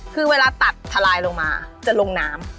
คือเวลาตัดทลายลงมาจะลงน้ำ